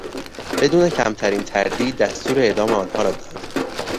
بدون کمترین تردید دستور اعدام آنها را داد.